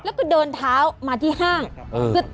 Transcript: แล้วก็เดินเท้ามาที่ห้าง